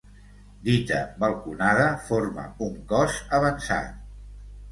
Dita balconada forma un cos avançat.